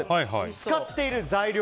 使っている材料